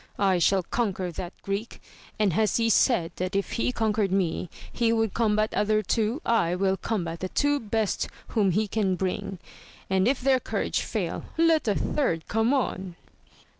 I shall conquer that Greek, and as he said that if he conquered me, he would combat other two, I will combat the two best whom he can bring, and if their courage fail, let a third come on!